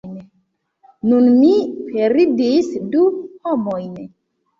Nun mi perdis du homojn!